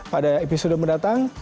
pada episode mendatang